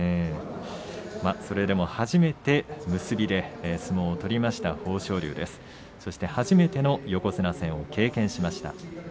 初めて結びで相撲を取った豊昇龍そして初めての横綱戦を経験しました。